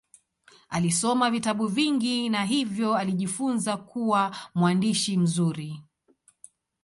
Alisoma vitabu vingi na hivyo alijifunza kuwa mwandishi mzuri.